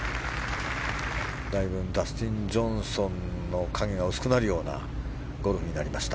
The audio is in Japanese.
だいぶダスティン・ジョンソンの影が薄くなるようなゴルフになりました。